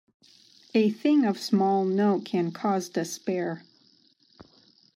A thing of small note can cause despair.